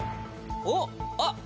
おっ？あっ。